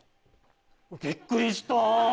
びっくりした！